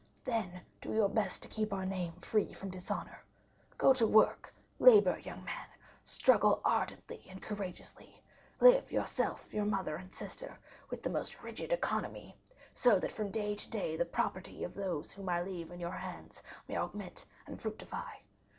Then do your best to keep our name free from dishonor. Go to work, labor, young man, struggle ardently and courageously; live, yourself, your mother and sister, with the most rigid economy, so that from day to day the property of those whom I leave in your hands may augment and fructify.